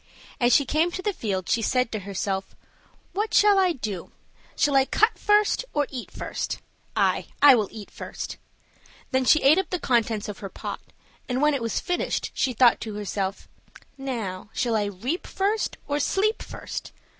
As she came to the field, she said to herself, "What shall I do? Shall I cut first, or eat first? Aye, I will eat first!" Then she ate up the contents of her pot, and when it was finished, she thought to herself, "Now, shall I reap first or sleep first?